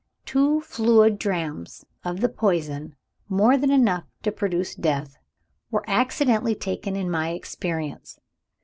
Two fluid drachms of the poison (more than enough to produce death) were accidentally taken in my experience.